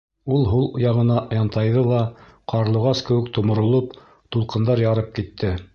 Ул һул яғына янтайҙы ла, ҡарлуғас кеүек томоролоп, тулҡындар ярып китте.